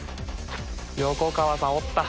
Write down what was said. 横川さんおった。